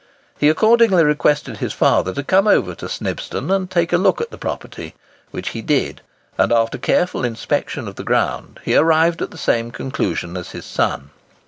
He accordingly requested his father to come over to Snibston and look at the property, which he did; and after a careful inspection of the ground, he arrived at the same conclusion as his son.